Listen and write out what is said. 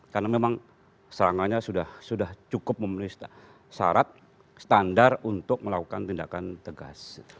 karena memang serangannya sudah cukup memenuhi syarat standar untuk melakukan tindakan tegas